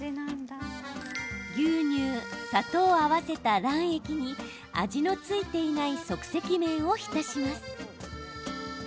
牛乳、砂糖を合わせた卵液に味の付いていない即席麺を浸します。